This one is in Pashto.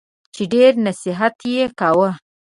چي ډېر نصیحت یې کاوه !